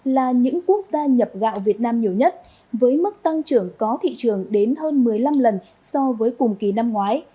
là những quốc gia nhập gạo việt nam nhiều nhất với mức tăng trưởng có thị trường đến hơn một mươi năm lần so với cùng kỳ năm ngoái